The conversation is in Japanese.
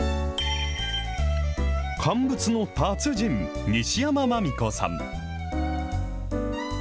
乾物の達人、西山麻実子さん。